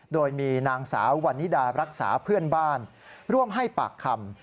โดยมีนางสาววันนิดารักษาเพื่อนบ้านร่วมให้ปากคำ